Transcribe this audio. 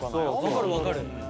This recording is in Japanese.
分かる分かる。